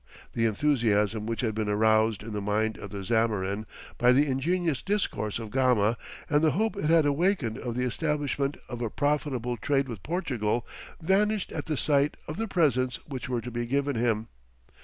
The enthusiasm which had been aroused in the mind of the Zamorin by the ingenious discourse of Gama, and the hope it had awakened of the establishment of a profitable trade with Portugal, vanished at the sight of the presents which were to be given him.